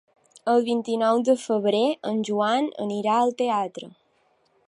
El vint-i-nou de febrer en Joan anirà al teatre.